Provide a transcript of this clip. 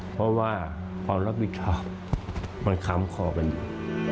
เพราะว่าความรับผิดชอบมันค้ำคอกันอยู่